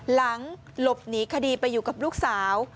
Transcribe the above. หลังหลบหนีคดีไปอยู่กับลูกสาว